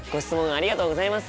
ありがとうございます！